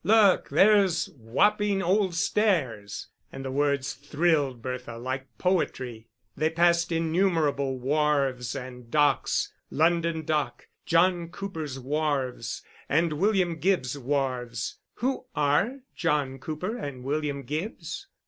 "Look, there's Wapping Old Stairs." And the words thrilled Bertha like poetry. They passed innumerable wharves and docks, London Dock, John Cooper's wharves, and William Gibbs's wharves (who are John Cooper and William Gibbs?)